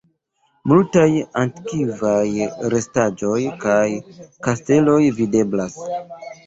Multaj antikvaj restaĵoj kaj kasteloj videblas.